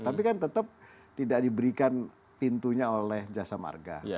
tapi kan tetap tidak diberikan pintunya oleh jasa marga